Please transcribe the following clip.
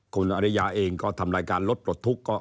คุณอริยาเองก็ทำรายการรถปลดทุกข์